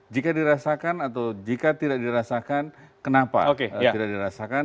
jika dirasakan atau jika tidak dirasakan kenapa tidak dirasakan